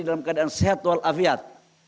dalam keadaan sehat wal afiat